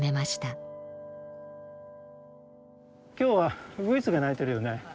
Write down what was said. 今日はウグイスが鳴いてるよね。